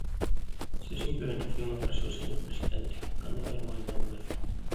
Se simplemente foi unha frase do señor presidente cando vai a unha inauguración.